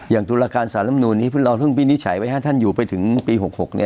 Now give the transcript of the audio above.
อย่างธุรการสารรับนูญที่พินิจฉัยไว้ให้ท่านอยู่ไปถึงปี๖๖